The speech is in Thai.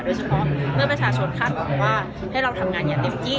โดยเฉพาะเมื่อประชาชนคาดหวังว่าให้เราทำงานอย่างเต็มที่